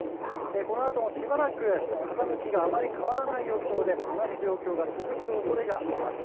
このあとも、しばらく風向きがあまり変わらない予想で同じ状況が続くおそれがあります。